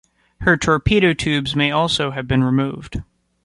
Her torpedo tubes may also have been removed.